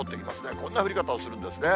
こんな降り方をするんですね。